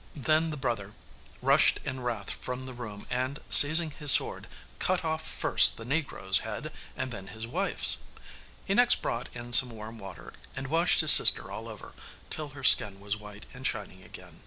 Then the brother rushed in wrath from the room, and seizing his sword, cut off first the negro's head and then his wife's. He next brought in some warm water, and washed his sister all over, till her skin was white and shining again.